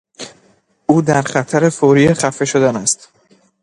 او در خطر فوری خفه شدن است.